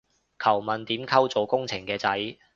求問點溝做工程嘅仔